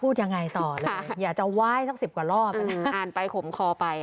อื้ออ่านไปขมคอไป